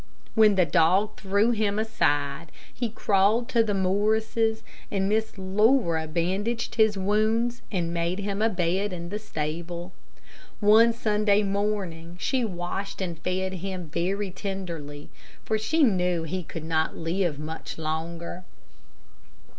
When the dog threw him aside, he crawled to the Morrises, and Miss Laura bandaged his wounds, and made him a bed in the stable. One Sunday morning she washed and fed him very tenderly, for she knew he could not live much longer.